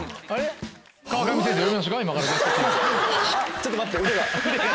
ちょっと待って腕が。